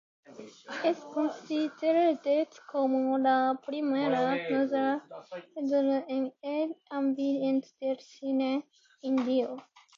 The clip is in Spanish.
Es considerada como la primera mujer directora en el ambiente del cine indio.